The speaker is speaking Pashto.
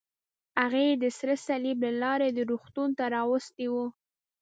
هغه یې د سره صلیب له لارې دې روغتون ته راوستی و.